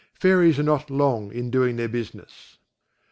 Fairies are not long in doing their business.